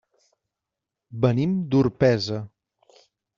Venim d'Orpesa.